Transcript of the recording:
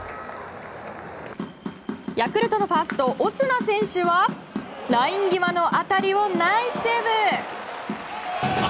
ヤクルトのファーストオスナ選手はライン際の当たりをナイスセーブ！